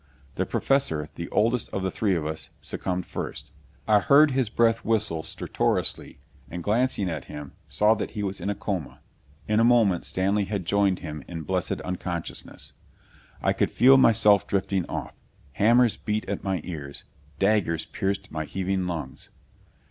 The Professor, the oldest of the three of us, succumbed first. I heard his breath whistle stertorously and, glancing at him, saw that he was in a coma. In a moment Stanley had joined him in blessed unconsciousness. I could feel myself drifting off.... Hammers beat at my ears.... Daggers pierced my heaving lungs....